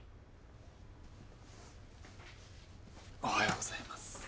おはようございます。